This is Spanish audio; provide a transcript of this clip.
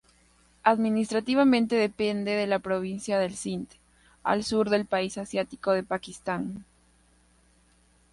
Administrativamente depende de la provincia de Sind, al sur del país asiático de Pakistán.